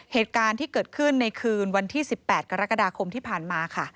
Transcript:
เหตุการณ์ที่เกิดขึ้นในคืนวันที่๑๘กรกฎาคมที่ผ่านมาค่ะ